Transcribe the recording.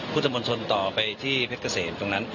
พุทธมนตรต่อไปที่เพชรเกษมตรงนั้น